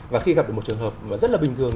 và khi gặp được một trường hợp rất là bình thường